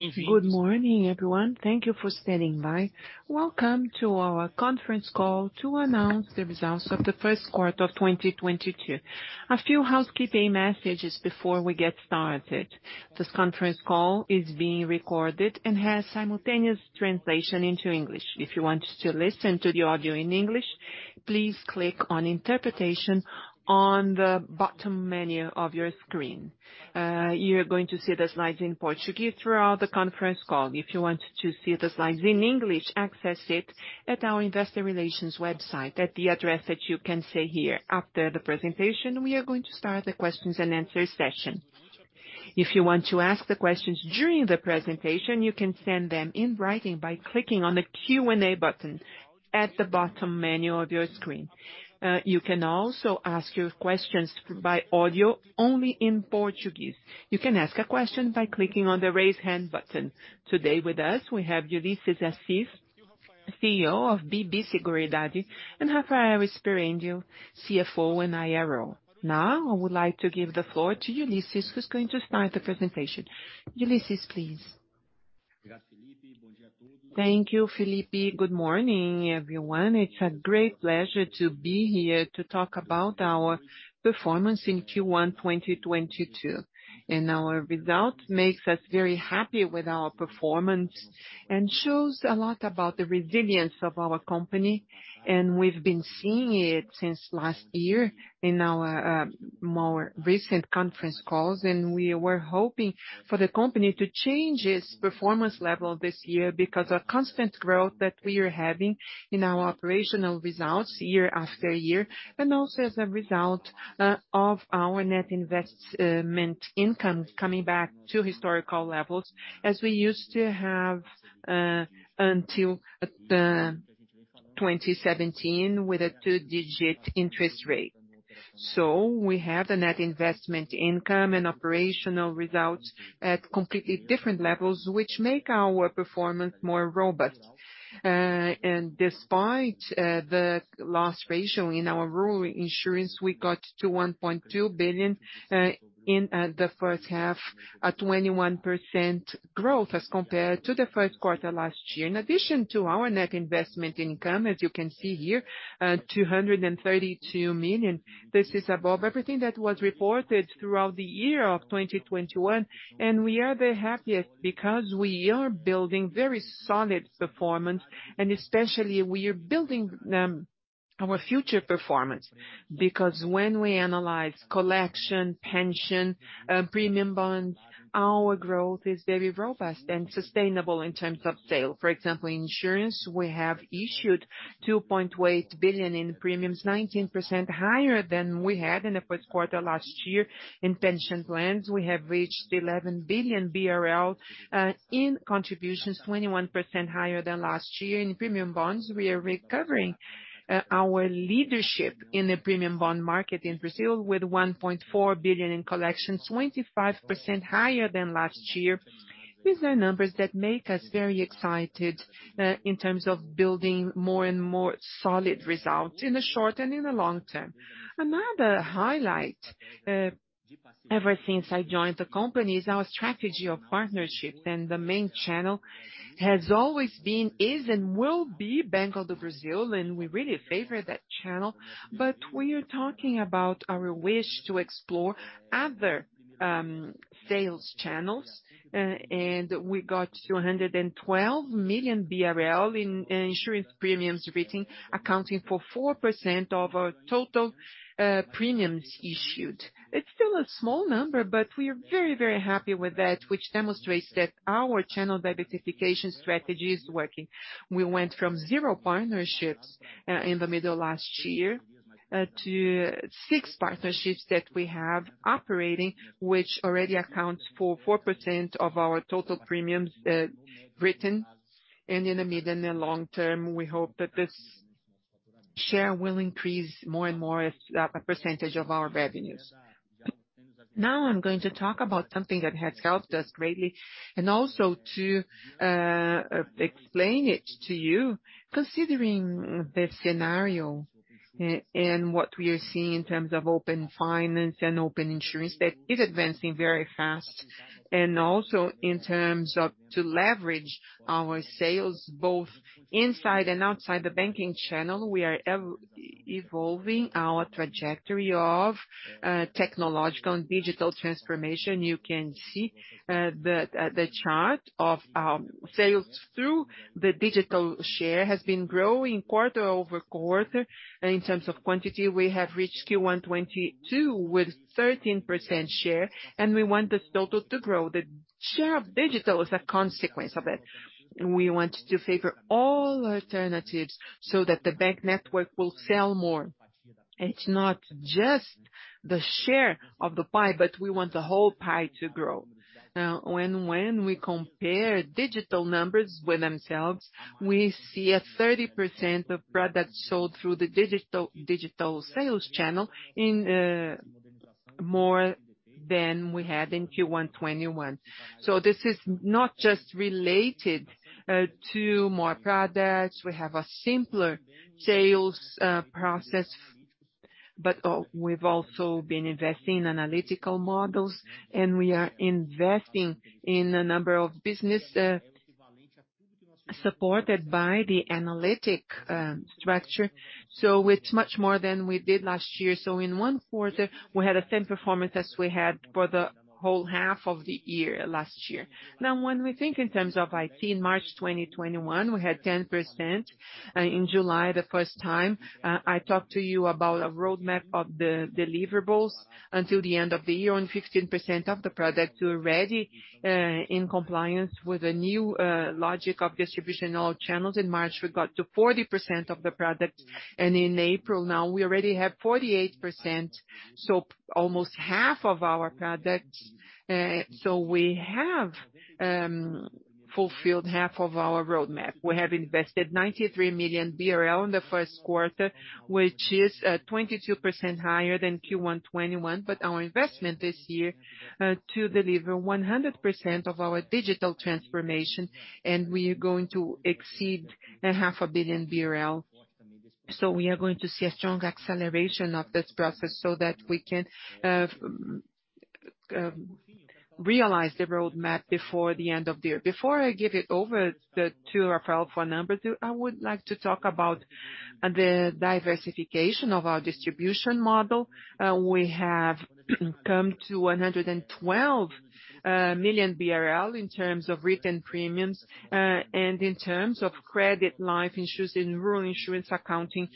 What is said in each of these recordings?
Good morning, everyone. Thank you for standing by. Welcome to our conference call to announce the results of the first quarter of 2022. A few housekeeping messages before we get started. This conference call is being recorded and has simultaneous translation into English. If you want to listen to the audio in English, please click on Interpretation on the bottom menu of your screen. You're going to see the slides in Portuguese throughout the conference call. If you want to see the slides in English, access it at our investor relations website at the address that you can see here. After the presentation, we are going to start the Q&A session. If you want to ask the questions during the presentation, you can send them in writing by clicking on the Q&A button at the bottom menu of your screen. You can also ask your questions by audio only in Portuguese. You can ask a question by clicking on the Raise Hand button. Today with us, we have Ullisses Assis, CEO of BB Seguridade, and Rafael Sperendio, CFO and IR. Now, I would like to give the floor to Ullisses, who's going to start the presentation. Ullisses, please. Thank you, Felipe. Good morning, everyone. It's a great pleasure to be here to talk about our performance in Q1 2022. Our result makes us very happy with our performance and shows a lot about the resilience of our company. We've been seeing it since last year in our more recent conference calls, and we were hoping for the company to change its performance level this year because of constant growth that we are having in our operational results year after year, and also as a result of our net investment income coming back to historical levels as we used to have until 2017 with a two-digit interest rate. We have the net investment income and operational results at completely different levels, which make our performance more robust. Despite the loss ratio in our rural insurance, we got to 1.2 billion in the first half, a 21% growth as compared to the first quarter last year. In addition to our net investment income, as you can see here, 232 million. This is above everything that was reported throughout the year of 2021, and we are the happiest because we are building very solid performance, and especially we are building our future performance. Because when we analyze collection, pension, premium bonds, our growth is very robust and sustainable in terms of sale. For example, insurance, we have issued 2.8 billion in premiums, 19% higher than we had in the first quarter last year. In pension plans, we have reached 11 billion BRL in contributions, 21% higher than last year. In premium bonds, we are recovering our leadership in the premium bond market in Brazil with 1.4 billion in collections, 25% higher than last year. These are numbers that make us very excited in terms of building more and more solid results in the short and in the long term. Another highlight ever since I joined the company is our strategy of partnerships, and the main channel has always been, is, and will be Banco do Brasil, and we really favor that channel. We are talking about our wish to explore other sales channels, and we got 212 million BRL in insurance premiums written, accounting for 4% of our total premiums issued. It's still a small number, but we are very, very happy with that, which demonstrates that our channel diversification strategy is working. We went from zero partnerships in the middle of last year to six partnerships that we have operating, which already accounts for 4% of our total premiums written. In the medium and long term, we hope that this share will increase more and more as a percentage of our revenues. Now I'm going to talk about something that has helped us greatly, and also to explain it to you, considering the scenario and what we are seeing in terms of Open Finance and Open Insurance, that it's advancing very fast. Also in terms of to leverage our sales, both inside and outside the banking channel, we are evolving our trajectory of technological and digital transformation. You can see the chart of our sales through the digital share has been growing quarter-over-quarter. In terms of quantity, we have reached Q1 2022 with 13% share, and we want this total to grow. The share of digital is a consequence of it. We want to favor all alternatives so that the bank network will sell more. It's not just the share of the pie, but we want the whole pie to grow. Now, when we compare digital numbers with themselves, we see 30% of products sold through the digital sales channel in more than we had in Q1 2021. This is not just related to more products. We have a simpler sales process. We've also been investing in analytical models, and we are investing in a number of business supported by the analytical structure. It's much more than we did last year. In one quarter, we had the same performance as we had for the whole half of the year last year. Now, when we think in terms of IT, in March 2021, we had 10%. In July, the first time, I talked to you about a roadmap of the deliverables until the end of the year, and 15% of the products were already in compliance with the new logic of distribution in all channels. In March, we got to 40% of the products, and in April now, we already have 48%, so almost half of our products. We have fulfilled half of our roadmap. We have invested 93 million BRL in the first quarter, which is 22% higher than Q1 2021. Our investment this year to deliver 100% of our digital transformation, and we are going to exceed 0.5 billion BRL. We are going to see a strong acceleration of this process so that we can realize the roadmap before the end of the year. Before I give it over to Rafael for numbers, I would like to talk about the diversification of our distribution model. We have come to 112 million BRL in terms of written premiums, and in terms of credit life insurance and rural insurance accounting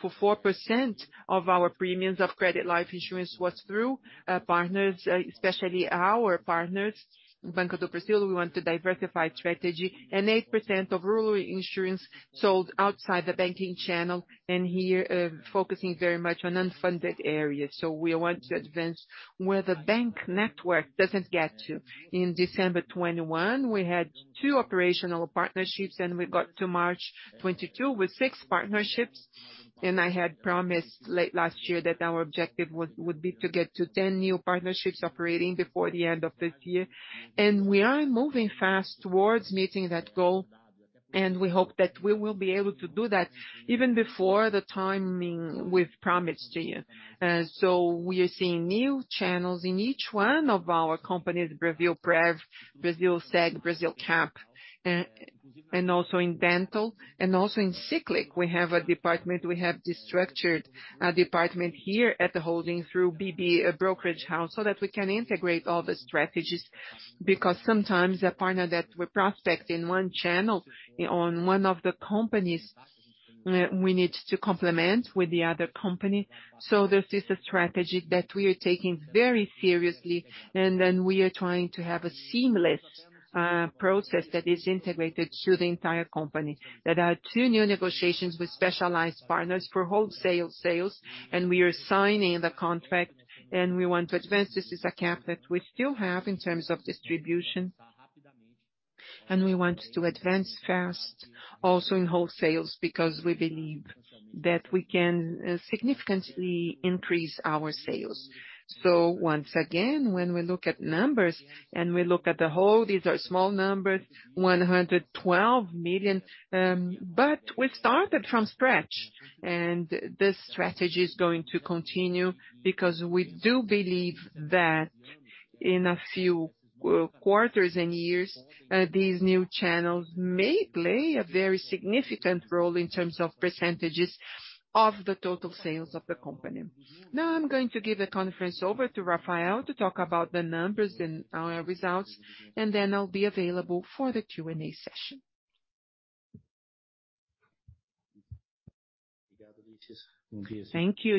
for 4% of our premiums of credit life insurance was through partners, especially our partners, Banco do Brasil. We want to diversify strategy, and 8% of rural insurance sold outside the banking channel, and here, focusing very much on unbanked areas. We want to advance where the bank network doesn't get to. In December 2021, we had two operational partnerships, and we got to March 2022 with six partnerships. I had promised late last year that our objective would be to get to 10 new partnerships operating before the end of this year. We are moving fast towards meeting that goal, and we hope that we will be able to do that even before the timing we've promised to you. We are seeing new channels in each one of our companies, Brasilprev, Brasilseg, Brasilcap, and also in dental and also in Ciclic. We have a department, we have this structured department here at the holding through BB brokerage house, so that we can integrate all the strategies, because sometimes the partner that we prospect in one channel on one of the companies, we need to complement with the other company. This is a strategy that we are taking very seriously, and then we are trying to have a seamless process that is integrated through the entire company. There are two new negotiations with specialized partners for wholesale sales, and we are signing the contract, and we want to advance. This is a gap that we still have in terms of distribution. We want to advance fast also in wholesales because we believe that we can significantly increase our sales. Once again, when we look at numbers and we look at the whole, these are small numbers, 112 million, but we started from scratch. This strategy is going to continue because we do believe that in a few quarters and years, these new channels may play a very significant role in terms of percentages of the total sales of the company. Now I'm going to give the conference over to Rafael to talk about the numbers and our results, and then I'll be available for the Q&A session. Thank you,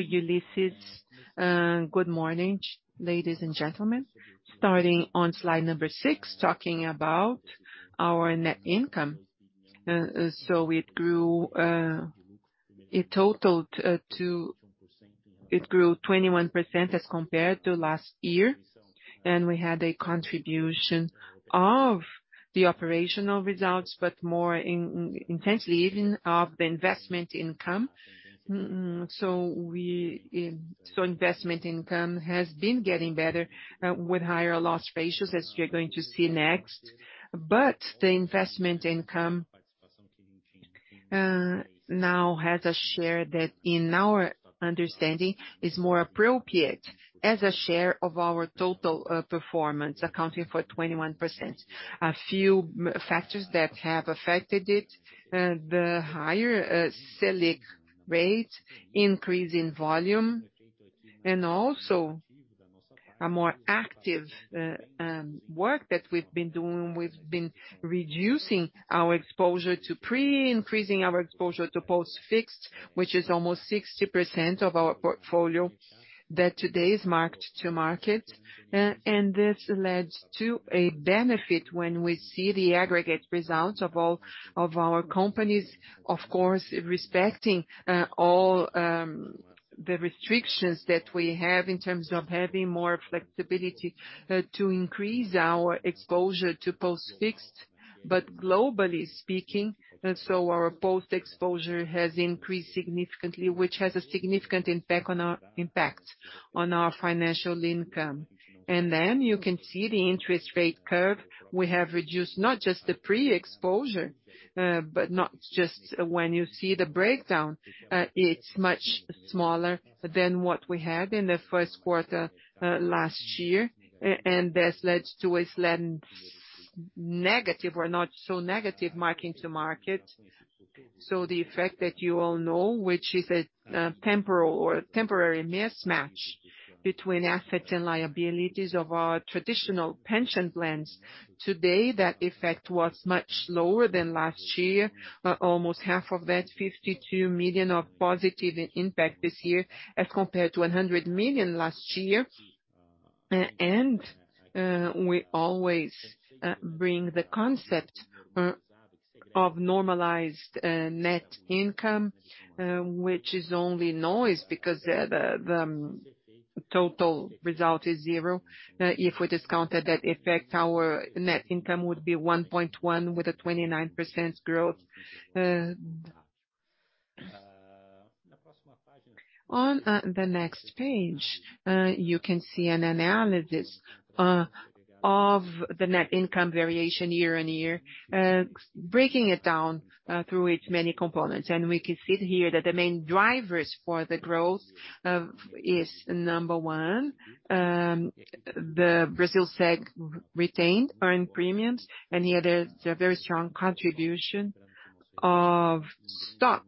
Ullisses. Good morning, ladies and gentlemen. Starting on slide number six, talking about our net income. It grew 21% as compared to last year, and we had a contribution of the operational results, but more intensely even of the investment income. Investment income has been getting better with higher loss ratios, as you're going to see next. The investment income now has a share that, in our understanding, is more appropriate as a share of our total performance, accounting for 21%. A few factors that have affected it, the higher Selic rate, increase in volume, and also a more active work that we've been doing. We've been reducing our exposure to pre-fixed, increasing our exposure to post-fixed, which is almost 60% of our portfolio that today is marked to market. This leads to a benefit when we see the aggregate results of all of our companies. Of course, respecting all the restrictions that we have in terms of having more flexibility to increase our exposure to post-fixed, but globally speaking, our post-exposure has increased significantly, which has a significant impact on our financial income. You can see the interest rate curve. We have reduced not just the pre-exposure, but not just when you see the breakdown. It's much smaller than what we had in the first quarter last year, and this leads to a slight negative or not so negative mark to market. The effect that you all know, which is a temporal or temporary mismatch between assets and liabilities of our traditional pension plans. Today, that effect was much lower than last year, almost half of that 52 million of positive impact this year, as compared to 100 million last year. We always bring the concept of normalized net income, which is only noise because the total result is zero. If we discounted that effect, our net income would be 1.1 with a 29% growth. On the next page, you can see an analysis of the net income variation year-over-year, breaking it down through its many components. We can see it here that the main drivers for the growth is number one, the Brasilseg retained earned premiums, and the other, the very strong contribution of premium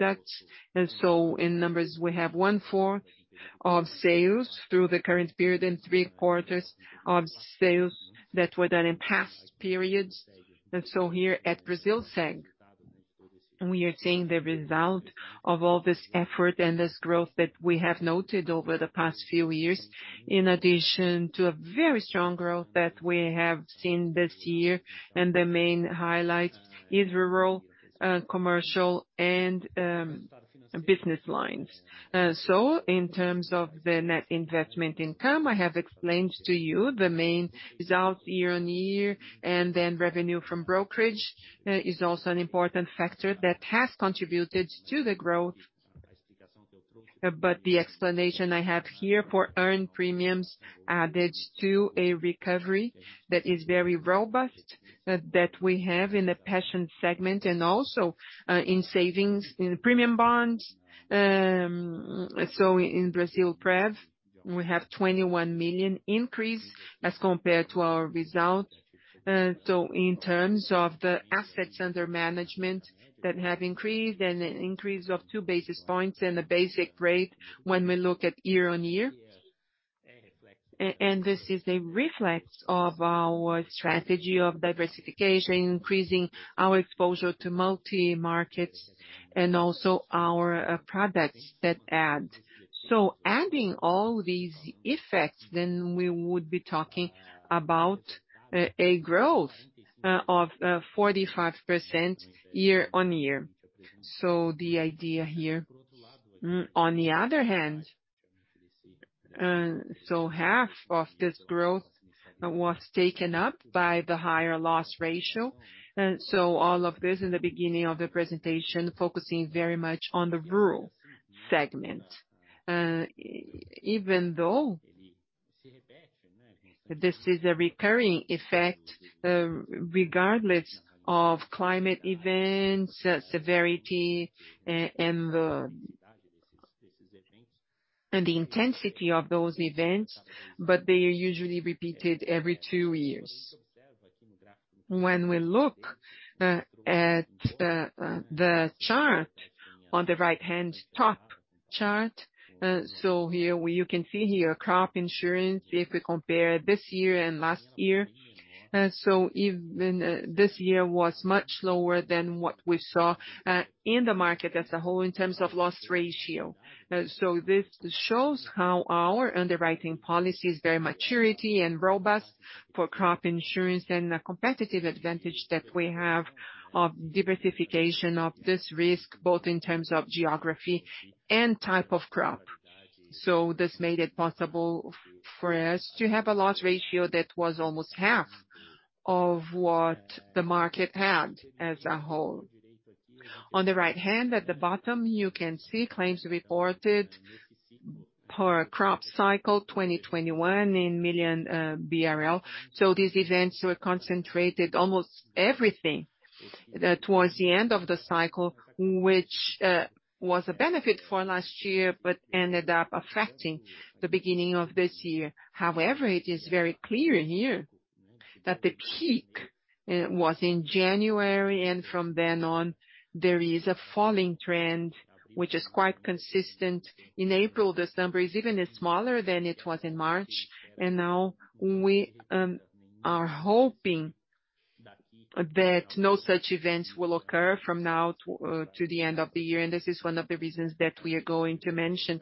bonds. In numbers, we have 1/4 of sales through the current period and three quarters of sales that were done in past periods. Here at Brasilseg, we are seeing the result of all this effort and this growth that we have noted over the past few years, in addition to a very strong growth that we have seen this year, and the main highlight is rural, commercial and business lines. In terms of the net investment income, I have explained to you the main results year-over-year, and then revenue from brokerage is also an important factor that has contributed to the growth. The explanation I have here for earned premiums added to a recovery that is very robust, that we have in the pension segment and also in savings, in premium bonds. In Brasilprev, we have 21 million increase as compared to our result. In terms of the assets under management that have increased and an increase of 2 basis points and a basic rate when we look at year-on-year. And this is a reflection of our strategy of diversification, increasing our exposure to multi-markets and also our products that add. Adding all these effects, we would be talking about a growth of 45% year-on-year. The idea here, on the other hand, half of this growth was taken up by the higher loss ratio. All of this in the beginning of the presentation, focusing very much on the rural segment. Even though this is a recurring effect, regardless of climate events, severity, and the The intensity of those events, but they are usually repeated every two years. When we look at the chart on the right hand top chart, so here where you can see here crop insurance, if we compare this year and last year. Even this year was much lower than what we saw in the market as a whole in terms of loss ratio. This shows how our underwriting policy is very mature and robust for crop insurance and the competitive advantage that we have of diversification of this risk, both in terms of geography and type of crop. This made it possible for us to have a loss ratio that was almost half of what the market had as a whole. On the right hand, at the bottom, you can see claims reported per crop cycle, 2021 in millions BRL. These events were concentrated almost everything towards the end of the cycle, which was a benefit for last year, but ended up affecting the beginning of this year. However, it is very clear here that the peak was in January, and from then on, there is a falling trend, which is quite consistent. In April, this number is even smaller than it was in March. Now we are hoping that no such events will occur from now to the end of the year. This is one of the reasons that we are going to mention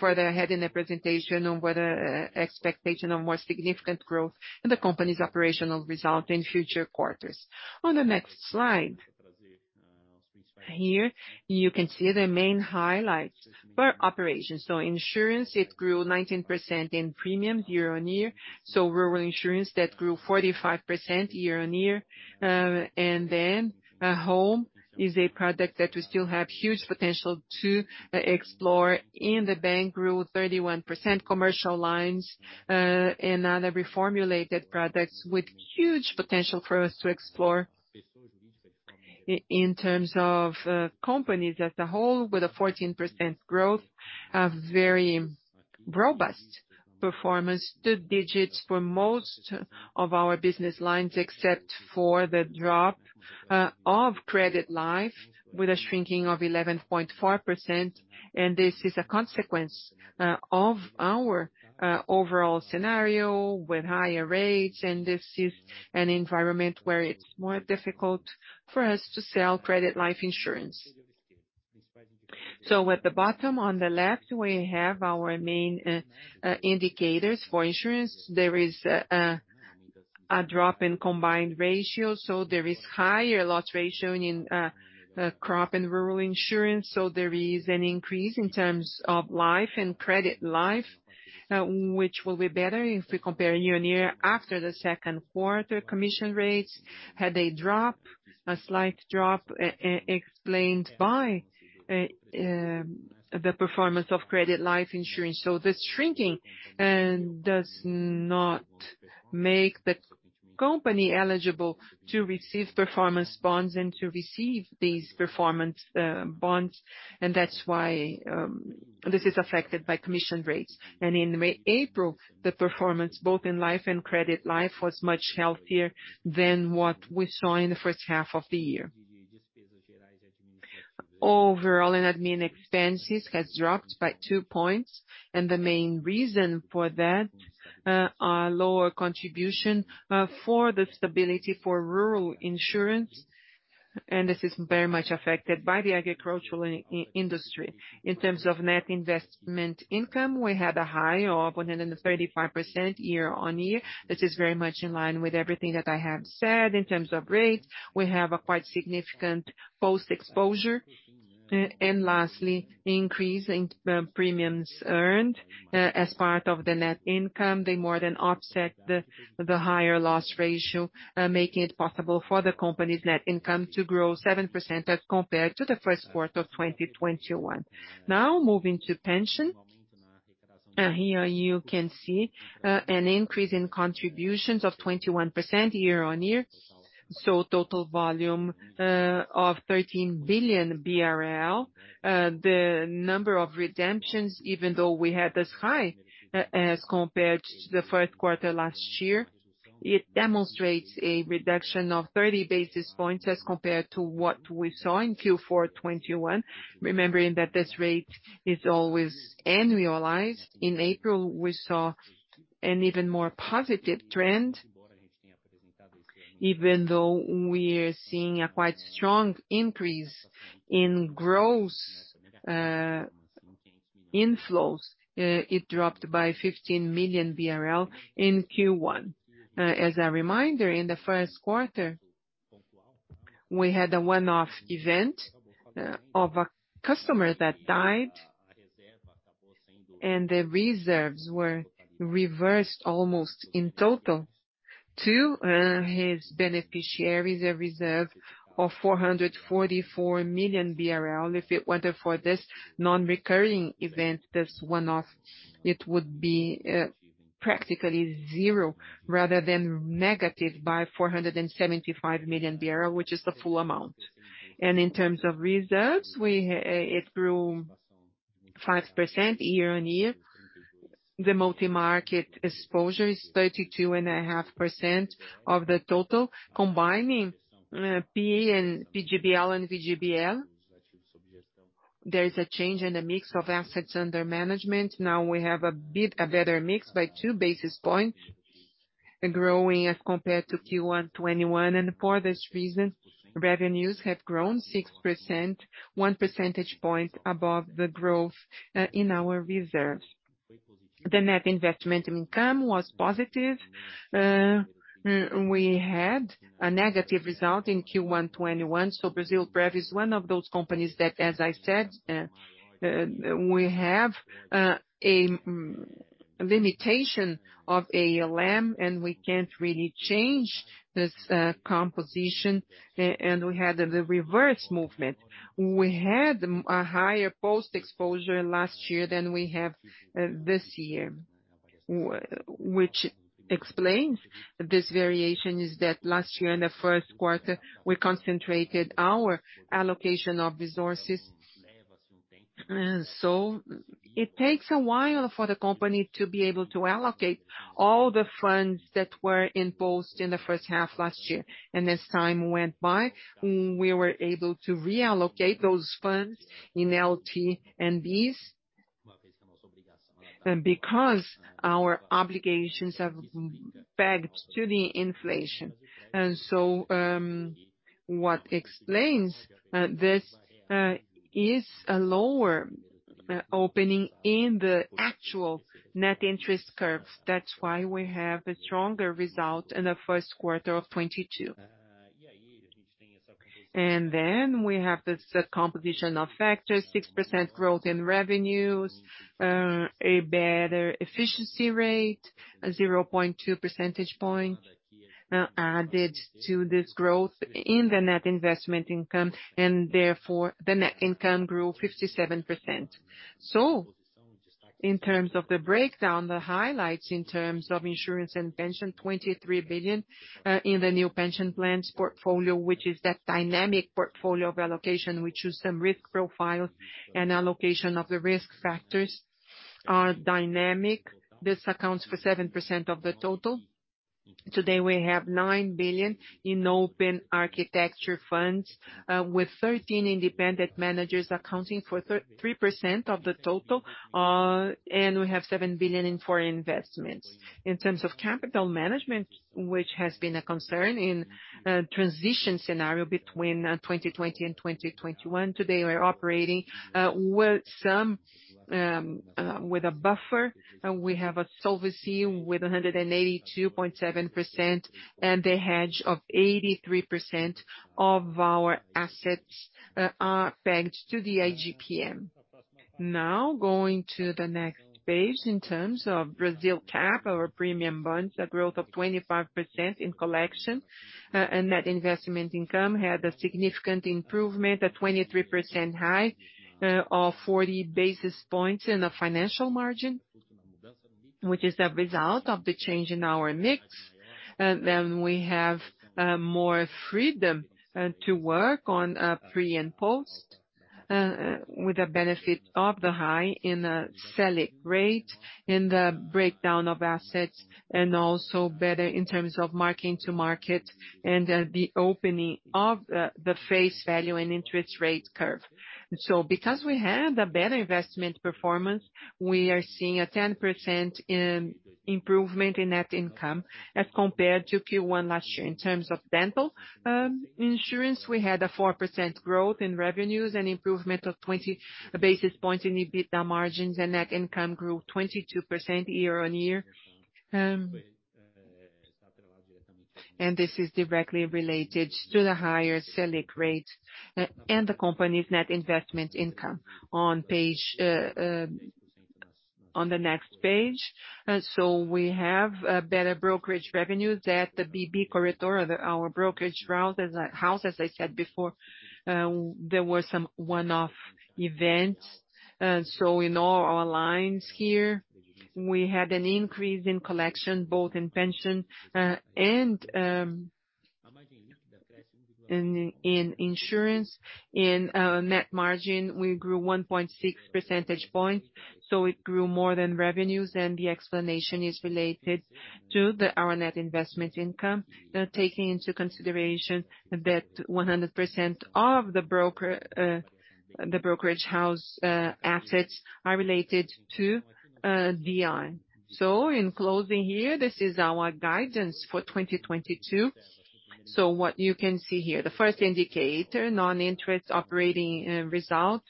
further ahead in the presentation on the expectation of more significant growth in the company's operational result in future quarters. On the next slide. Here you can see the main highlights for operations. Insurance grew 19% in premium year-on-year. Rural insurance grew 45% year-on-year. And then, home is a product that we still have huge potential to explore, and the bank grew 31% commercial lines, and other reformulated products with huge potential for us to explore. In terms of companies as a whole, with a 14% growth, a very robust performance, two digits for most of our business lines, except for the drop of credit life, with a shrinking of 11.4%, and this is a consequence of our overall scenario with higher rates, and this is an environment where it's more difficult for us to sell credit life insurance. At the bottom on the left, we have our main indicators. For insurance, there is a drop in combined ratio, there is higher loss ratio in crop and rural insurance. There is an increase in terms of life and credit life, which will be better if we compare year-over-year. After the second quarter, commission rates had a drop, a slight drop explained by the performance of credit life insurance. The shrinking does not make the company eligible to receive performance bonuses and to receive these performance bonuses, and that's why this is affected by commission rates. In April, the performance, both in life and credit life, was much healthier than what we saw in the first half of the year. Overall, in admin expenses, has dropped by 2 points, and the main reason for that, are lower contribution for the subsidiary for rural insurance, and this is very much affected by the agricultural industry. In terms of net investment income, we had a high of 135% year-on-year. This is very much in line with everything that I have said. In terms of rates, we have a quite significant positive exposure. And lastly, increase in premiums earned as part of the net income. They more than offset the higher loss ratio, making it possible for the company's net income to grow 7% as compared to the first quarter of 2021. Now, moving to pension. Here you can see an increase in contributions of 21% year-on-year, so total volume of 13 billion BRL. The number of redemptions, even though we had this high, as compared to the fourth quarter last year, it demonstrates a reduction of 30 basis points as compared to what we saw in Q4 2021. Remembering that this rate is always annualized. In April, we saw an even more positive trend. Even though we're seeing a quite strong increase in gross inflows, it dropped by 15 million BRL in Q1. As a reminder, in the first quarter, we had a one-off event of a customer that died, and the reserves were reversed almost in total to his beneficiary, the reserve of 444 million BRL. If it weren't for this non-recurring event, this one-off, it would be practically zero rather than negative by 475 million, which is the full amount. In terms of reserves, it grew 5% year-on-year. The multi-market exposure is 32.5% of the total. Combining PGBL and VGBL, there is a change in the mix of assets under management. Now we have a bit better mix by 2 basis points, growing as compared to Q1 2021. For this reason, revenues have grown 6%, 1 percentage point above the growth in our reserves. The net investment income was positive. We had a negative result in Q1 2021. Brasilprev is one of those companies that, as I said, we have a limitation of ALM, and we can't really change this composition, and we had the reverse movement. We had a higher post-exposure last year than we have this year, which explains this variation, is that last year in the first quarter, we concentrated our allocation of resources, so it takes a while for the company to be able to allocate all the funds that were imposed in the first half last year. As time went by, we were able to reallocate those funds in LTNs and NTN-Bs, because our obligations have pegged to the inflation. What explains this is a lower opening in the actual net interest curves. That's why we have a stronger result in the first quarter of 2022. We have this composition of factors, 6% growth in revenues, a better efficiency rate, 0.2 percentage point, added to this growth in the net investment income, and therefore, the net income grew 57%. In terms of the breakdown, the highlights in terms of insurance and pension, 23 billion in the new pension plans portfolio, which is that dynamic portfolio reallocation, which is some risk profile and allocation of the risk factors are dynamic. This accounts for 7% of the total. Today, we have 9 billion in open architecture funds, with 13 independent managers accounting for 33% of the total. And we have 7 billion in foreign investments. In terms of capital management, which has been a concern in transition scenario between 2020 and 2021. Today, we're operating with a buffer, and we have a solvency with 182.7%, and a hedge of 83% of our assets are pegged to the IGPM. Now, going to the next page. In terms of Brasilcap, our premium bonds, a growth of 25% in collection. That investment income had a significant improvement, a 23% hike of 40 basis points in the financial margin, which is a result of the change in our mix. We have more freedom to work on pre and post, with the benefit of the hike in the Selic rate, in the breakdown of assets, and also better in terms of marking to market and the opening of the face value and interest rate curve. Because we had a better investment performance, we are seeing a 10% improvement in net income as compared to Q1 last year. In terms of dental insurance, we had a 4% growth in revenues and improvement of 20 basis points in EBITDA margins, and net income grew 22% year-on-year. This is directly related to the higher Selic rate and the company's net investment income. On the next page. We have better brokerage revenues at the BB Corretora, our brokerage house, as I said before. There were some one-off events. In all our lines here, we had an increase in collection, both in pension and in insurance. In net margin, we grew 1.6 percentage points, so it grew more than revenues. The explanation is related to our net investment income, taking into consideration that 100% of the broker, the brokerage house, assets are related to DI. In closing here, this is our guidance for 2022. What you can see here, the first indicator, non-interest operating result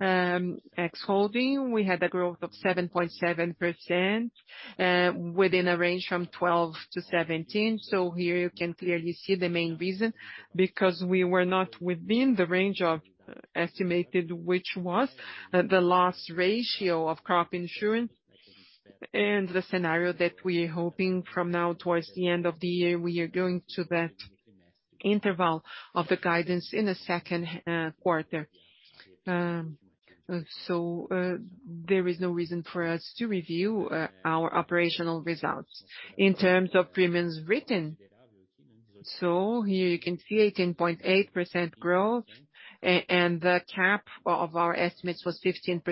ex holding, we had a growth of 7.7% within a range from 12%-17%. Here you can clearly see the main reason, because we were not within the range of estimated, which was the loss ratio of crop insurance. The scenario that we're hoping from now towards the end of the year, we are going to that interval of the guidance in the second quarter. There is no reason for us to review our operational results. In terms of premiums written, here you can see 18.8% growth, and the cap of our estimates was 15%.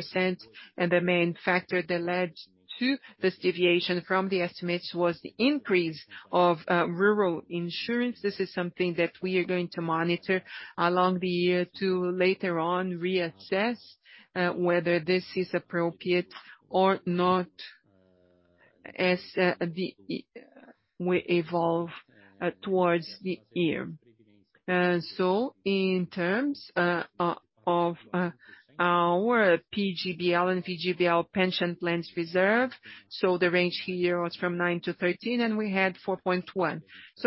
The main factor that led to this deviation from the estimates was the increase of rural insurance. This is something that we are going to monitor along the year to later on reassess whether this is appropriate or not as we evolve towards the year. In terms of our PGBL and VGBL pension plans reserve. The range here was from 9%-13%, and we had 4.1%.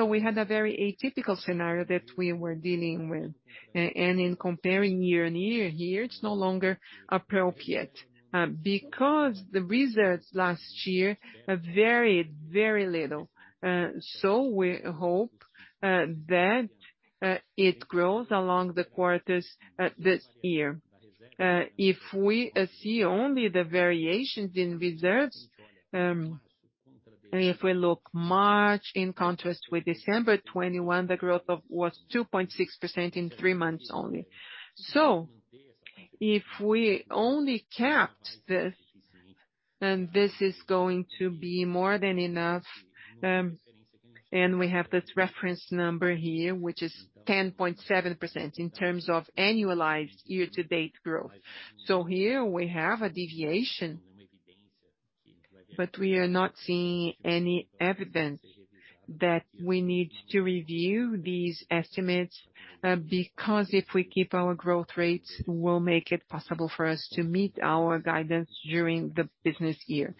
We had a very atypical scenario that we were dealing with. In comparing year-over-year here, it's no longer appropriate because the reserves last year varied very little. We hope that it grows along the quarters this year. If we see only the variations in reserves, if we look March in contrast with December 2021, the growth was 2.6% in three months only. If we only capped this, then this is going to be more than enough. We have this reference number here, which is 10.7% in terms of annualized year to date growth. Here we have a deviation, but we are not seeing any evidence that we need to review these estimates, because if we keep our growth rates, we'll make it possible for us to meet our guidance during the business year.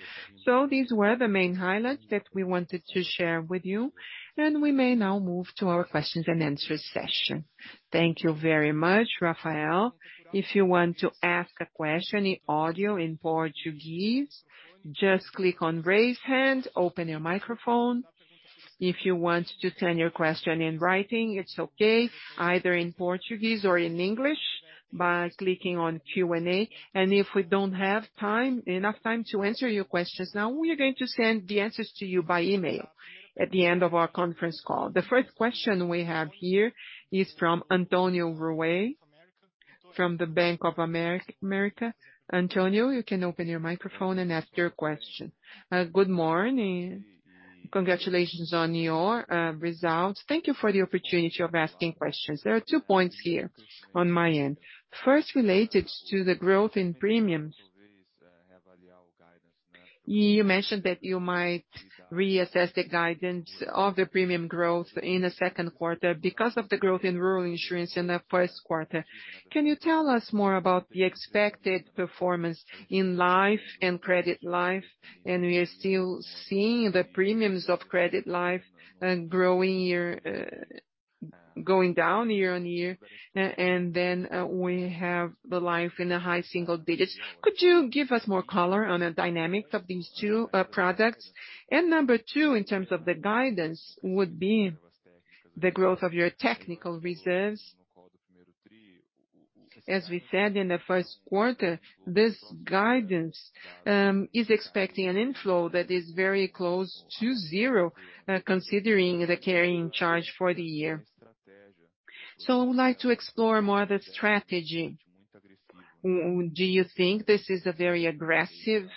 These were the main highlights that we wanted to share with you, and we may now move to our questions and answers session. Thank you very much, Rafael. If you want to ask a question in audio in Portuguese, just click on Raise Hand, open your microphone. If you want to send your question in writing, it's okay, either in Portuguese or in English by clicking on Q&A. If we don't have time, enough time to answer your questions now, we are going to send the answers to you by email at the end of our conference call. The first question we have here is from Antonio Ruette from Bank of America. Antonio, you can open your microphone and ask your question. Good morning. Congratulations on your results. Thank you for the opportunity of asking questions. There are two points here on my end. First, related to the growth in premiums. You mentioned that you might reassess the guidance of the premium growth in the second quarter because of the growth in rural insurance in the first quarter. Can you tell us more about the expected performance in life and credit life? We are still seeing the premiums of credit life going down year-on-year, and then we have the life in the high single digits. Could you give us more color on the dynamics of these two products? Number two, in terms of the guidance, would be the growth of your technical reserves. As we said in the first quarter, this guidance is expecting an inflow that is very close to zero, considering the carrying charge for the year. I would like to explore more the strategy. Do you think this is a very aggressive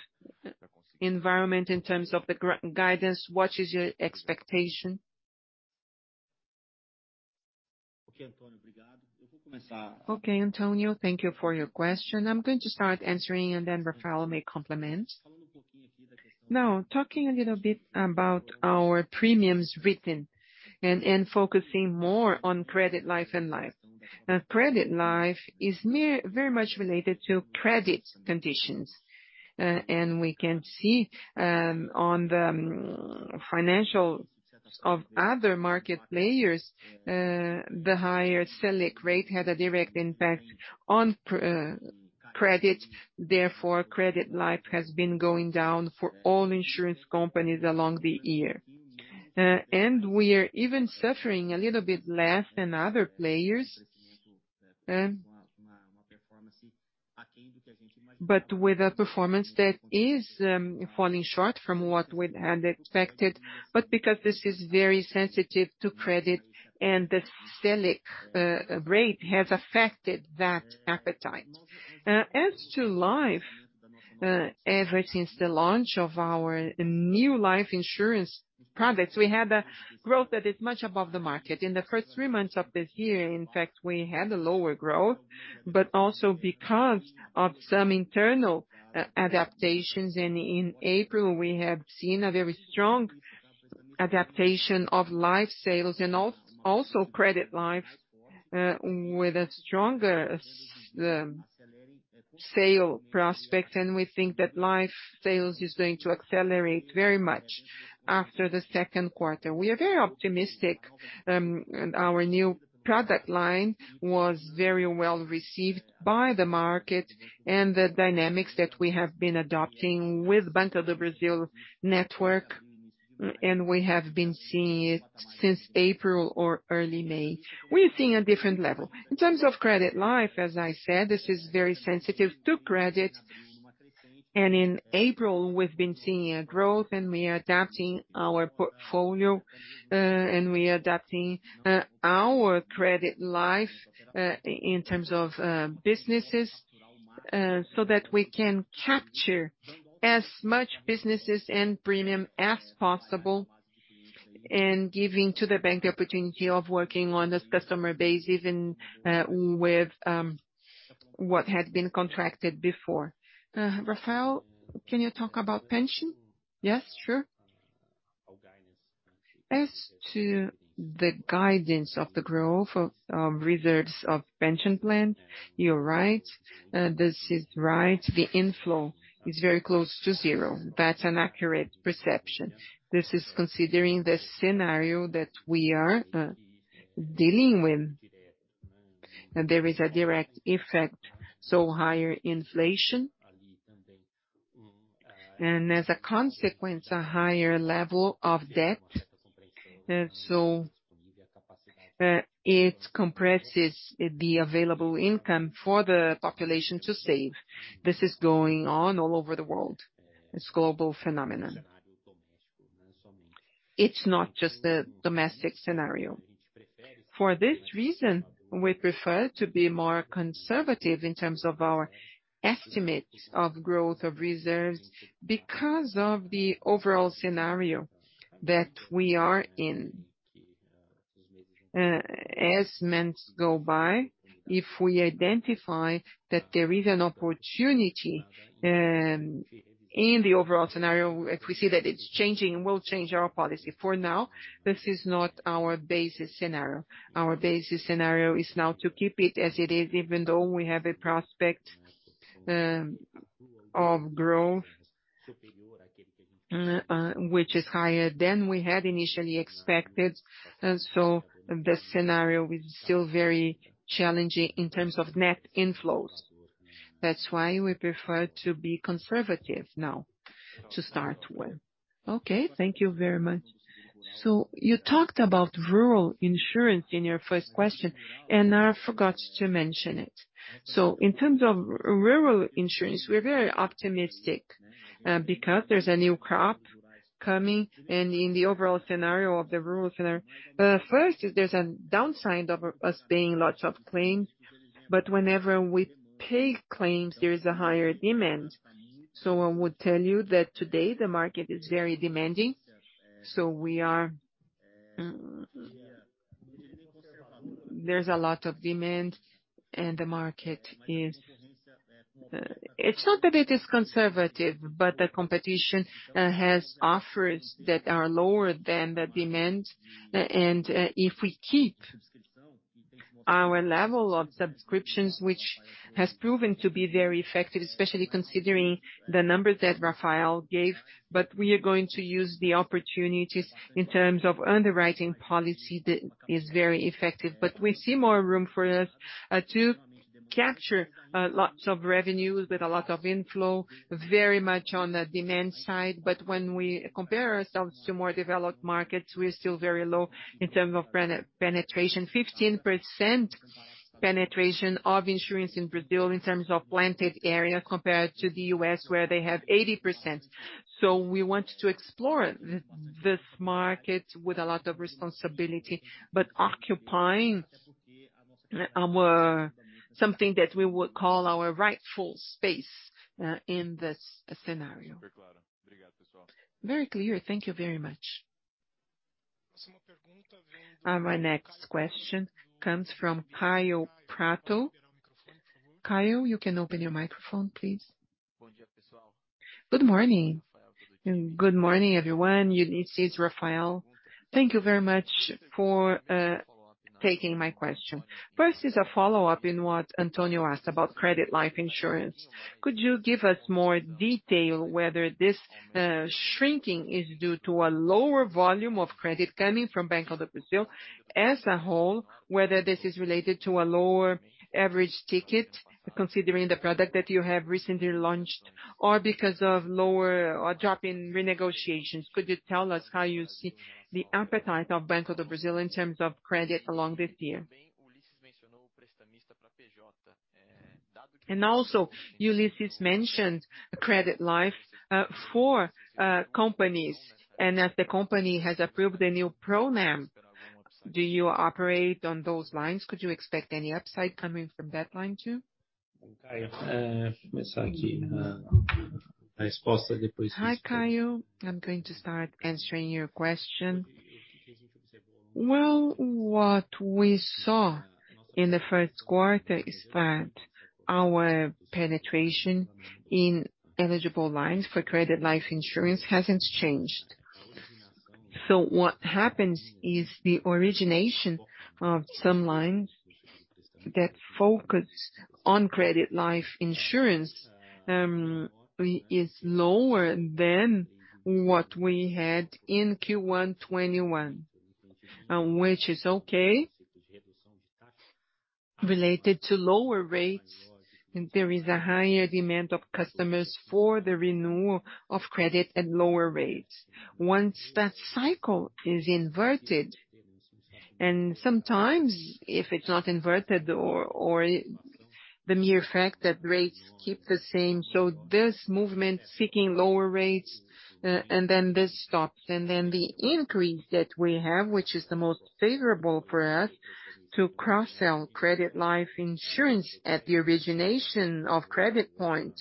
environment in terms of the guidance? What is your expectation? Okay, Antonio, thank you for your question. I'm going to start answering, and then Rafael may complement. Now, talking a little bit about our premiums written and focusing more on credit life and life. Credit life is very much related to credit conditions. And we can see on the financials of other market players, the higher Selic rate had a direct impact on credit. Therefore, credit life has been going down for all insurance companies along the year. And we are even suffering a little bit less than other players, but with a performance that is falling short from what we had expected, but because this is very sensitive to credit and the Selic rate has affected that appetite. As to life, ever since the launch of our new life insurance products, we had a growth that is much above the market. In the first three months of this year, in fact, we had a lower growth, but also because of some internal adaptations. In April, we have seen a very strong adaptation of life sales and also credit life, with a stronger sale prospect. We think that life sales is going to accelerate very much after the second quarter. We are very optimistic, our new product line was very well-received by the market and the dynamics that we have been adopting with Banco do Brasil network, and we have been seeing it since April or early May. We are seeing a different level. In terms of credit life, as I said, this is very sensitive to credit. In April, we've been seeing a growth, and we are adapting our portfolio, and we are adapting our credit life in terms of businesses, so that we can capture as much businesses and premium as possible, and giving to the bank the opportunity of working on this customer base, even with what had been contracted before. Rafael, can you talk about pension? Yes, sure. As to the guidance of the growth of reserves of pension plan, you're right. This is right. The inflow is very close to zero. That's an accurate perception. This is considering the scenario that we are dealing with. There is a direct effect, so higher inflation, and as a consequence, a higher level of debt. It compresses the available income for the population to save. This is going on all over the world. It's global phenomenon. It's not just a domestic scenario. For this reason, we prefer to be more conservative in terms of our estimates of growth of reserves because of the overall scenario that we are in. As months go by, if we identify that there is an opportunity in the overall scenario, if we see that it's changing, we'll change our policy. For now, this is not our basis scenario. Our basis scenario is now to keep it as it is, even though we have a prospect of growth which is higher than we had initially expected. The scenario is still very challenging in terms of net inflows. That's why we prefer to be conservative now to start with. Okay, thank you very much. You talked about rural insurance in your first question, and I forgot to mention it. In terms of rural insurance, we're very optimistic because there's a new crop coming and in the overall scenario of the rural sector. First, there's a downside of us paying lots of claims, but whenever we pay claims, there is a higher demand. I would tell you that today the market is very demanding, so we are. There's a lot of demand and the market is. It's not that it is conservative, but the competition has offers that are lower than the demand. If we keep our level of subscriptions, which has proven to be very effective, especially considering the numbers that Rafael gave. We are going to use the opportunities in terms of underwriting policy that is very effective. We see more room for us to capture lots of revenues with a lot of inflow, very much on the demand side. When we compare ourselves to more developed markets, we're still very low in terms of penetration. 15% penetration of insurance in Brazil in terms of planted area compared to the U.S., where they have 80%. We want to explore this market with a lot of responsibility, but occupying our something that we would call our rightful space, in this scenario. Very clear. Thank you very much. My next question comes from Kaio Prato. Kaio, you can open your microphone, please. Good morning. Good morning, everyone. Ullisses, Rafael. Thank you very much for taking my question. First is a follow-up in what Antonio asked about credit life insurance. Could you give us more detail whether this shrinking is due to a lower volume of credit coming from Banco do Brasil as a whole, whether this is related to a lower average ticket, considering the product that you have recently launched, or because of lower or drop in renegotiations? Could you tell us how you see the appetite of Banco do Brasil in terms of credit along this year? Also, Ullisses mentioned credit life for companies. As the company has approved the new program, do you operate on those lines? Could you expect any upside coming from that line too? Hi, Kaio. I'm going to start answering your question. Well, what we saw in the first quarter is that our penetration in eligible lines for credit life insurance hasn't changed. So what happens is the origination of some lines that focus on credit life insurance is lower than what we had in Q1 2021, which is okay. Related to lower rates, there is a higher demand of customers for the renewal of credit at lower rates. Once that cycle is inverted, and sometimes if it's not inverted or the mere fact that rates keep the same, so this movement seeking lower rates and then this stops. The increase that we have, which is the most favorable for us to cross-sell credit life insurance at the origination of credit point,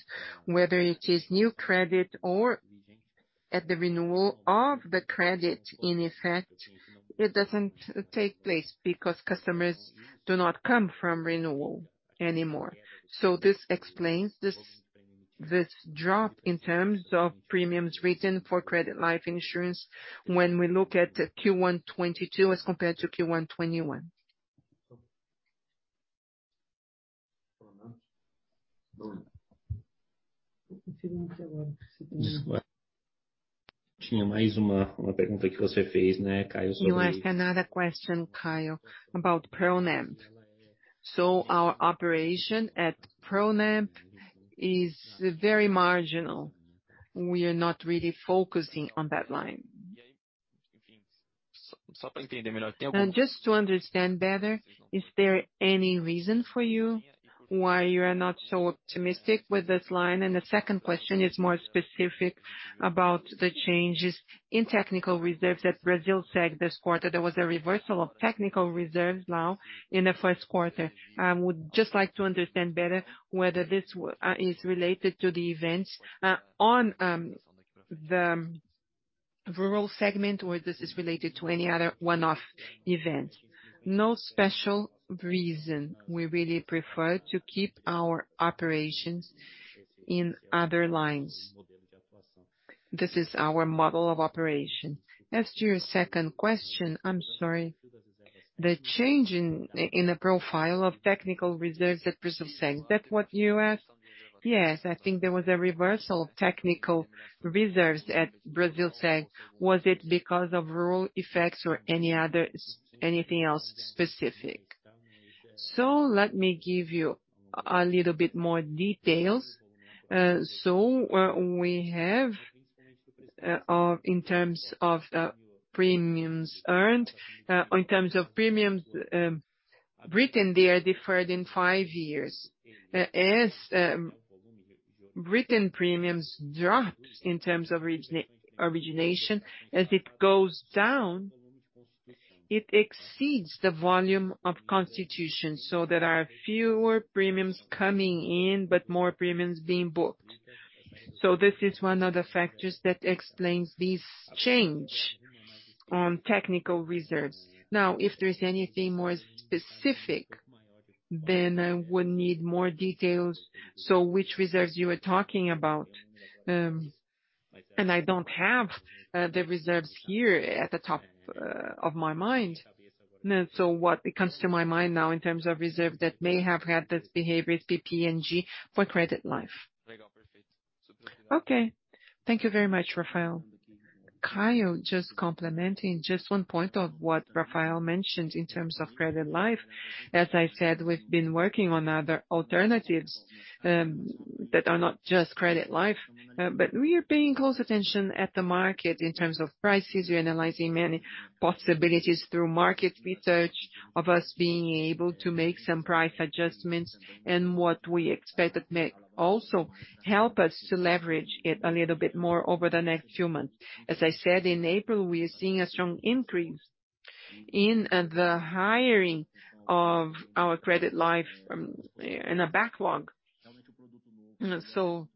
whether it is new credit or at the renewal of the credit, in effect, it doesn't take place because customers do not come from renewal anymore. This explains this drop in terms of premiums written for credit life insurance when we look at Q1 2022 as compared to Q1 2021. You ask another question, Kaio, about Pronampe. Our operation at Pronampe is very marginal. We are not really focusing on that line. Just to understand better, is there any reason for you why you are not so optimistic with this line? The second question is more specific about the changes in technical reserves at Brasilseg this quarter. There was a reversal of technical reserves now in the first quarter. I would just like to understand better whether this is related to the events on the rural segment or this is related to any other one-off event. No special reason. We really prefer to keep our operations in other lines. This is our model of operation. As to your second question, I'm sorry, the change in the profile of technical reserves at Brasilseg, that's what you asked? Yes, I think there was a reversal of technical reserves at Brasilseg. Was it because of rural effects or any other anything else specific? Let me give you a little bit more details. What we have are in terms of premiums earned or in terms of premiums written, they are deferred in five years. As written premiums dropped in terms of origination, as it goes down, it exceeds the volume of constitution. There are fewer premiums coming in, but more premiums being booked. This is one of the factors that explains this change on technical reserves. Now, if there's anything more specific, then I would need more details. Which reserves you are talking about? I don't have the reserves here at the top of my mind. What comes to my mind now in terms of reserve that may have had this behavior is PPNG for credit life. Okay. Thank you very much, Rafael. Kaio, just complementing just one point of what Rafael mentioned in terms of credit life. As I said, we've been working on other alternatives, that are not just credit life, but we are paying close attention at the market in terms of prices. We're analyzing many possibilities through market research of us being able to make some price adjustments and what we expect that may also help us to leverage it a little bit more over the next few months. As I said, in April, we are seeing a strong increase in the hiring of our credit life, in a backlog. So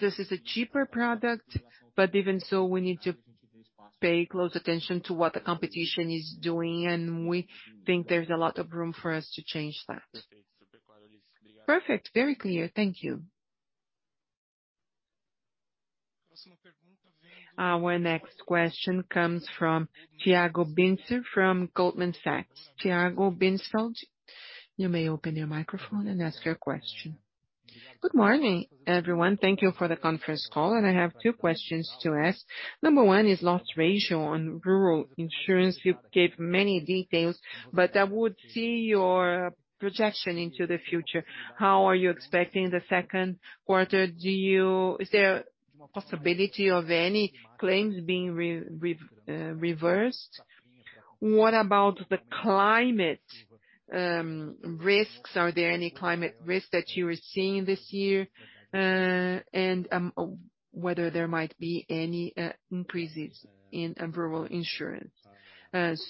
this is a cheaper product, but even so, we need to pay close attention to what the competition is doing, and we think there's a lot of room for us to change that. Perfect. Very clear. Thank you. Our next question comes from Tiago Binsfeld from Goldman Sachs. Tiago Binsfeld, you may open your microphone and ask your question. Good morning, everyone. Thank you for the conference call, and I have two questions to ask. Number one is loss ratio on rural insurance. You gave many details, but I would see your projection into the future. How are you expecting the second quarter? Is there a possibility of any claims being reversed? What about the climate risks? Are there any climate risks that you are seeing this year, and whether there might be any increases in rural insurance?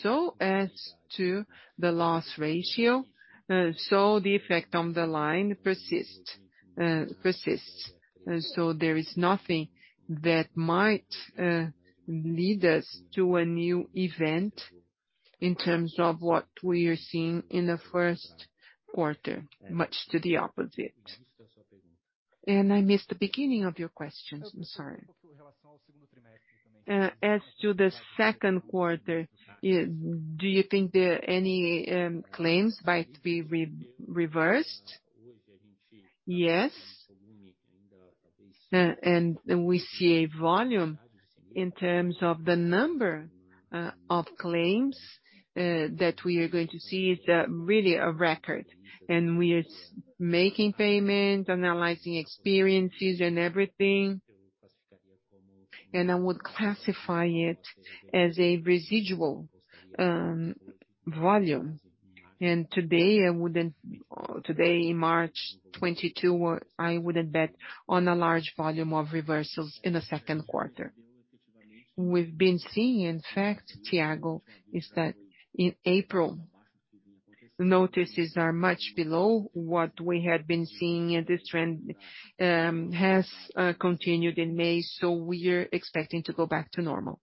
So as to the loss ratio, so the effect on the line persists. There is nothing that might lead us to a new event in terms of what we are seeing in the first quarter, much to the contrary. I missed the beginning of your question. I'm sorry. As to the second quarter, do you think there are any claims might be reversed? Yes. We see a volume in terms of the number of claims that we are going to see is really a record, and we are making payments, analyzing experiences and everything. I would classify it as a residual volume. Today, March 22, I wouldn't bet on a large volume of reversals in the second quarter. We've been seeing, in fact, Tiago, that in April, notices are much below what we had been seeing, and this trend has continued in May, so we are expecting to go back to normal.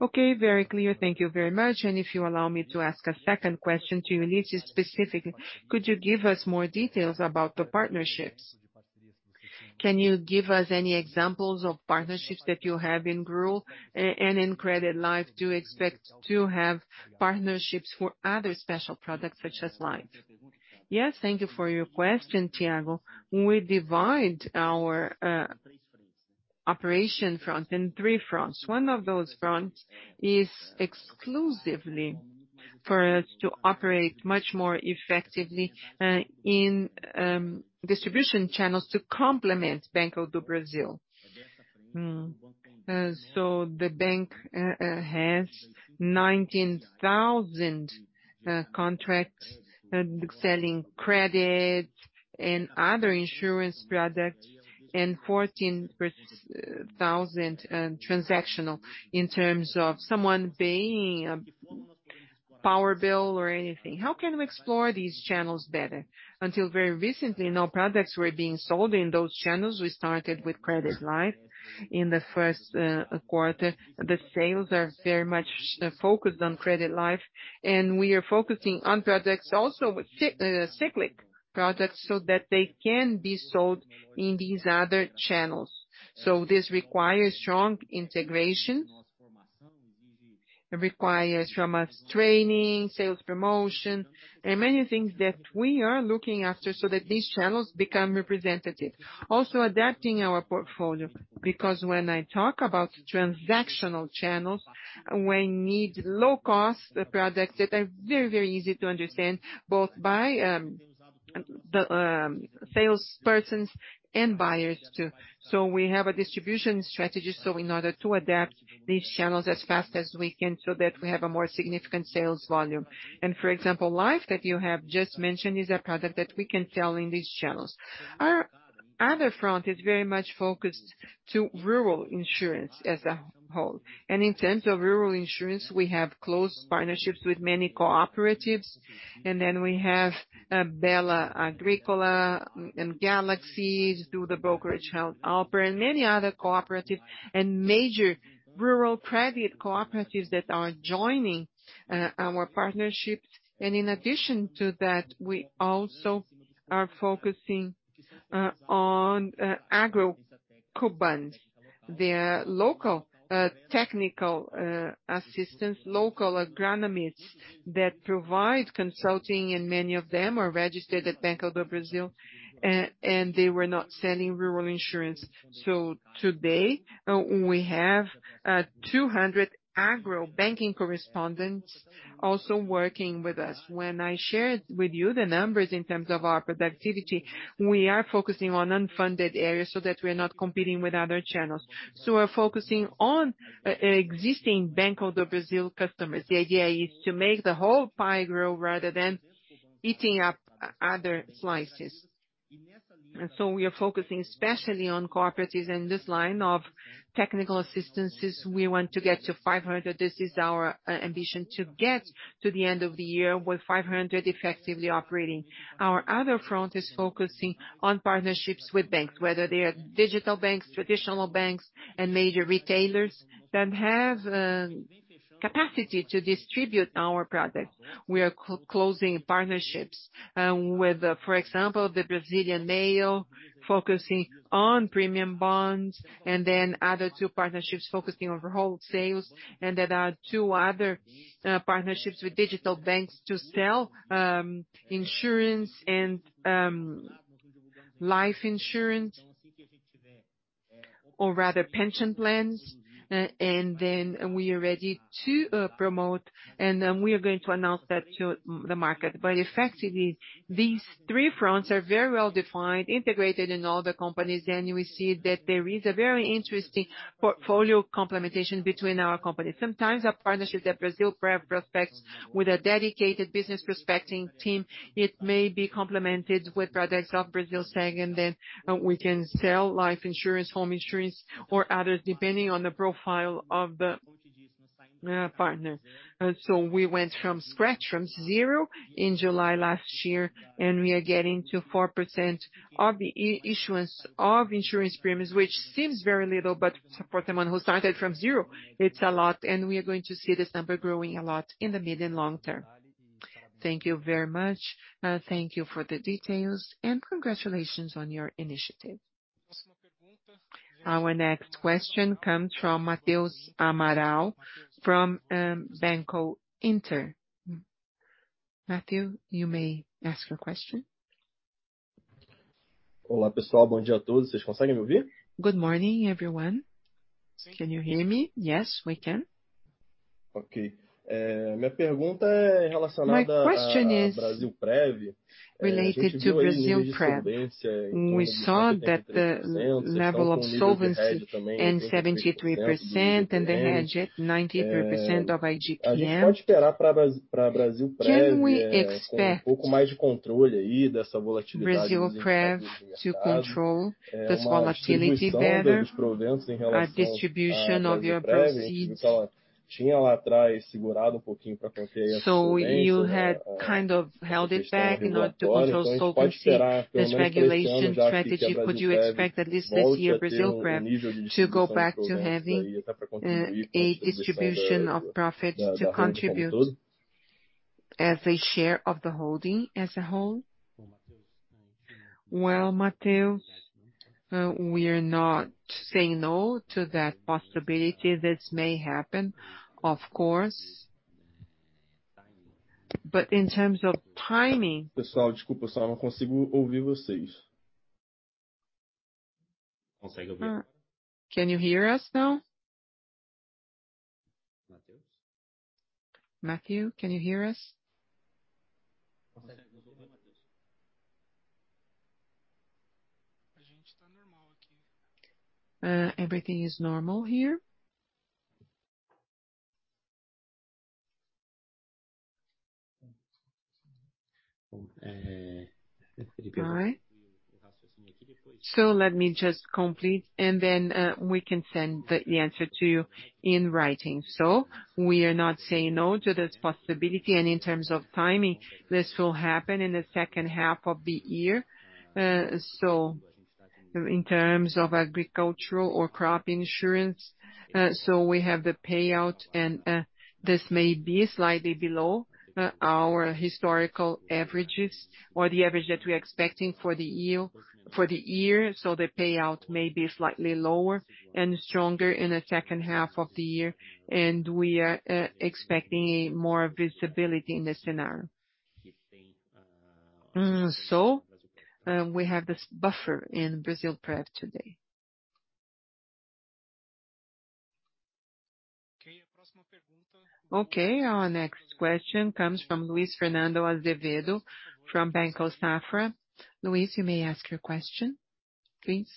Okay, very clear. Thank you very much. If you allow me to ask a second question to Ullisses specifically, could you give us more details about the partnerships? Can you give us any examples of partnerships that you have in rural and in credit life? Do you expect to have partnerships for other special products such as life? Yes. Thank you for your question, Tiago. We divide our operation front in three fronts. One of those fronts is exclusively for us to operate much more effectively in distribution channels to complement Banco do Brasil. So the bank has 19,000 contracts selling credit and other insurance products and 14 per thousand transactional in terms of someone paying a power bill or anything. How can we explore these channels better? Until very recently, no products were being sold in those channels. We started with credit life in the first quarter. The sales are very much focused on credit life, and we are focusing on products also with Ciclic products so that they can be sold in these other channels. This requires strong integration. It requires from us training, sales promotion, and many things that we are looking after so that these channels become representative. Also adapting our portfolio, because when I talk about transactional channels, we need low cost products that are very, very easy to understand, both by the salespersons and buyers too. We have a distribution strategy, so in order to adapt these channels as fast as we can so that we have a more significant sales volume. For example, life that you have just mentioned is a product that we can sell in these channels. Our other front is very much focused to rural insurance as a whole. In terms of rural insurance, we have close partnerships with many cooperatives. Then we have Bela Agrícola and Galaxy do the brokerage help offer, and many other cooperatives and major rural credit cooperatives that are joining our partnerships. In addition to that, we also are focusing on agro correspondents, their local technical assistance, local agronomists that provide consulting, and many of them are registered at Banco do Brasil, and they were not selling rural insurance. Today we have 200 agro banking correspondents also working with us. When I shared with you the numbers in terms of our productivity, we are focusing on unfunded areas so that we're not competing with other channels. We're focusing on existing Banco do Brasil customers. The idea is to make the whole pie grow rather than eating up other slices. We are focusing especially on cooperatives, and this line of technical assistances, we want to get to 500. This is our ambition to get to the end of the year with 500 effectively operating. Our other front is focusing on partnerships with banks, whether they are digital banks, traditional banks and major retailers that have capacity to distribute our products. We are closing partnerships with, for example, the Brazilian Mail, focusing on premium bonds, and then other two partnerships focusing on wholesale, and there are two other partnerships with digital banks to sell insurance and life insurance or rather pension plans. We are ready to promote, and then we are going to announce that to the market. Effectively, these three fronts are very well defined, integrated in all the companies. We see that there is a very interesting portfolio complementation between our companies. Sometimes our partnerships at Brasilprev prospects with a dedicated business prospecting team, it may be complemented with products of Brasilseg, and then we can sell life insurance, home insurance or others, depending on the profile of the partner. We went from scratch, from zero in July last year, and we are getting to 4% of the issuance of insurance premiums, which seems very little, but for someone who started from zero, it's a lot, and we are going to see this number growing a lot in the mid and long term. Thank you very much. Thank you for the details and congratulations on your initiative. Our next question comes from Matheus Amaral from Banco Inter. Matheus, you may ask your question. Good morning, everyone. Can you hear me? Yes, we can. Okay. My question is related to Brasilprev. We saw that the level of solvency at 73% and the hedge at 93% of IGPM. Can we expect Brasilprev to control this volatility better, distribution of your proceeds? You had kind of held it back in order to control solvency, this regulatory strategy. Could we expect at least this year Brasilprev to go back to having a distribution of profit to contribute as a share of the holding as a whole? Well, Matheus, we are not saying no to that possibility. This may happen, of course. In terms of timing. Can you hear us now? Matheus, can you hear us? Everything is normal here. All right. Let me just complete, and then, we can send the answer to you in writing. We are not saying no to this possibility, and in terms of timing, this will happen in the second half of the year. In terms of agricultural or crop insurance, we have the payout, and this may be slightly below our historical averages or the average that we're expecting for the year, so the payout may be slightly lower and stronger in the second half of the year. We are expecting more visibility in this scenario. We have this buffer in Brasilprev today. Okay, our next question comes from Luis Fernando Azevedo from Banco Safra. Luis, you may ask your question please.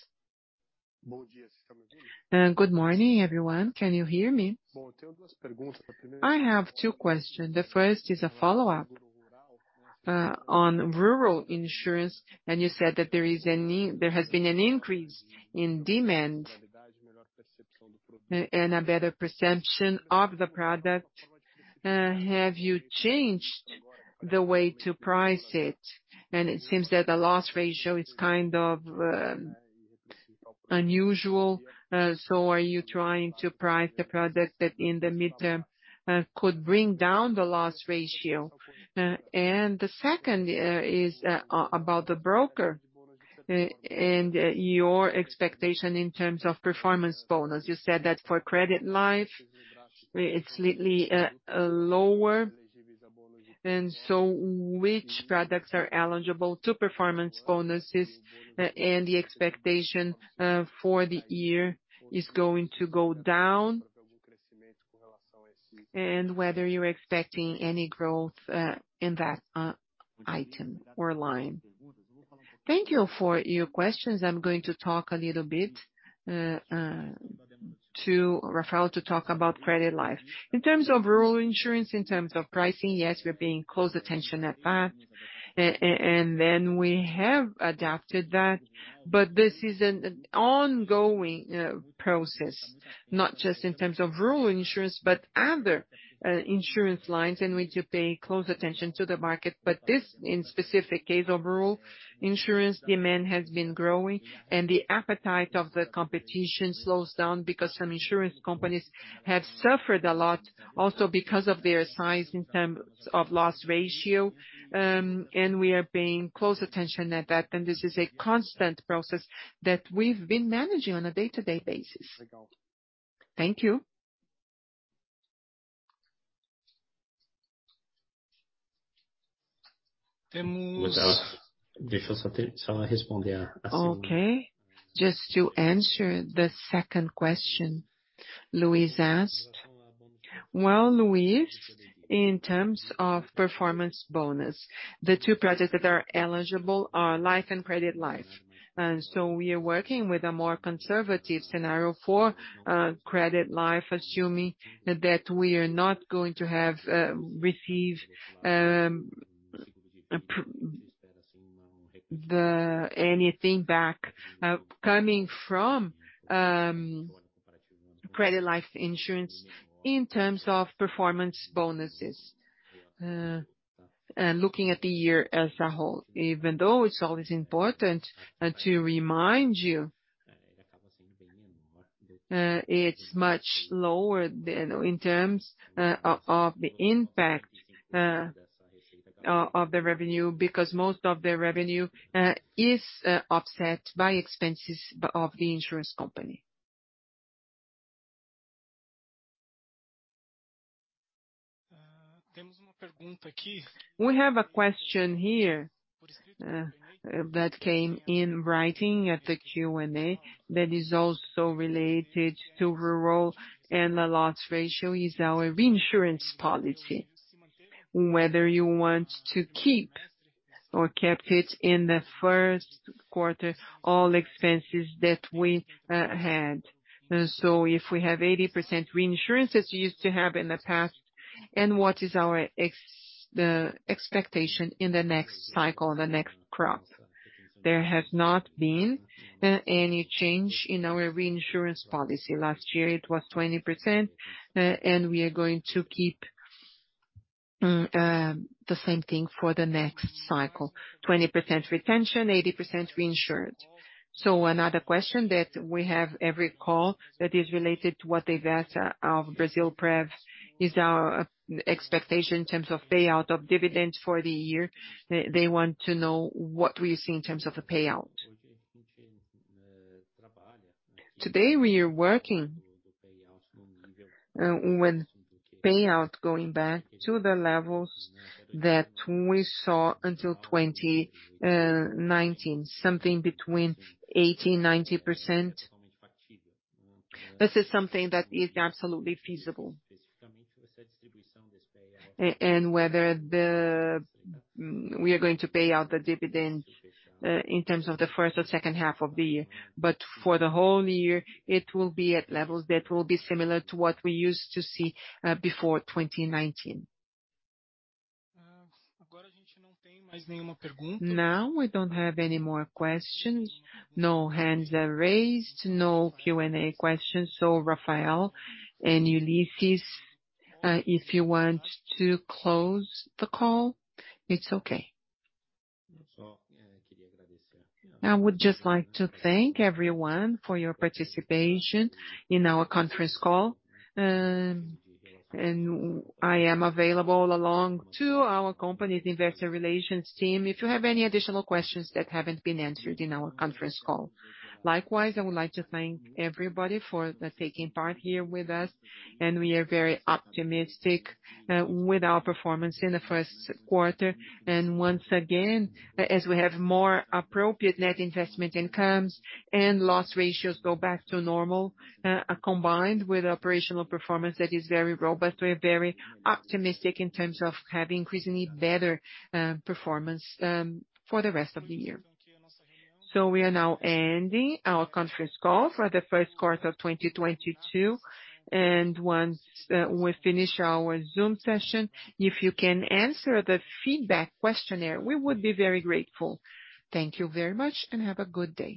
Good morning, everyone. Can you hear me? I have two questions. The first is a follow-up on rural insurance, and you said that there has been an increase in demand and a better perception of the product. Have you changed the way to price it? It seems that the loss ratio is kind of unusual, so are you trying to price the product that in the midterm could bring down the loss ratio? The second is about the broker and your expectation in terms of performance bonus. You said that for credit life, it's slightly lower, and so which products are eligible to performance bonuses, and the expectation for the year is going to go down, and whether you're expecting any growth in that item or line. Thank you for your questions. I'm going to talk a little bit to Rafael to talk about credit life. In terms of rural insurance, in terms of pricing, yes, we're paying close attention at that. Then we have adapted that, but this is an ongoing process, not just in terms of rural insurance, but other insurance lines in which you pay close attention to the market. This, in specific case of rural insurance, demand has been growing, and the appetite of the competition slows down because some insurance companies have suffered a lot also because of their size in terms of loss ratio. We are paying close attention at that, and this is a constant process that we've been managing on a day-to-day basis. Thank you. Okay, just to answer the second question Luis asked. Well, Luis, in terms of performance bonus, the two projects that are eligible are life and credit life. We are working with a more conservative scenario for credit life, assuming that we are not going to receive anything back coming from credit life insurance in terms of performance bonuses. Looking at the year as a whole, even though it's always important to remind you, it's much lower than in terms of the impact of the revenue because most of the revenue is offset by expenses of the insurance company. We have a question here that came in writing at the Q&A that is also related to rural and the loss ratio is our reinsurance policy, whether you want to keep or kept it in the first quarter, all expenses that we had. If we have 80% reinsurance as you used to have in the past, and what is the expectation in the next cycle, the next crop? There has not been any change in our reinsurance policy. Last year, it was 20%, and we are going to keep the same thing for the next cycle, 20% retention, 80% re-insured. Another question that we have every call that is related to what investors of Brasilprev is our expectation in terms of payout of dividends for the year. They want to know what we see in terms of a payout. Today, we are working with payout going back to the levels that we saw until 2019, something between 80%-90%. This is something that is absolutely feasible. Whether we are going to pay out the dividend in terms of the first or second half of the year, but for the whole year, it will be at levels that will be similar to what we used to see before 2019. Now, we don't have any more questions. No hands are raised, no Q&A questions. Rafael and Ullisses, if you want to close the call, it's okay. I would just like to thank everyone for your participation in our conference call, and I am available, along with our company's investor relations team, if you have any additional questions that haven't been answered in our conference call. Likewise, I would like to thank everybody for taking part here with us, and we are very optimistic with our performance in the first quarter. Once again, as we have more appropriate net investment incomes and loss ratios go back to normal, combined with operational performance that is very robust, we're very optimistic in terms of having increasingly better performance for the rest of the year. We are now ending our conference call for the first quarter of 2022. Once we finish our Zoom session, if you can answer the feedback questionnaire, we would be very grateful. Thank you very much and have a good day.